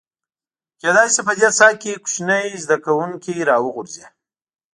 کېدای شي په دې څاه کې کوچني زده کوونکي راوغورځي.